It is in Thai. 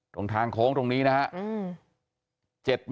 ตรงทางโค้งตรงนี้นะฮะอืม